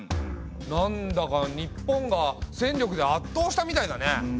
なんだか日本が戦力であっとうしたみたいだね。